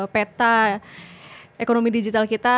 peta ekonomi digital kita